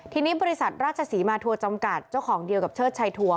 ทีนี้บริษัทราชศรีมาทัวร์จำกัดเจ้าของเดียวกับเชิดชัยทัวร์